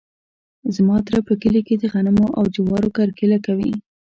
زما تره په کلي کې د غنمو او جوارو کرکیله کوي.